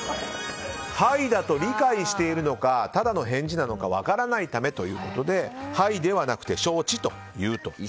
はいだと理解しているのかただの返事なのか分からないためということではいではなく、承知と言うと。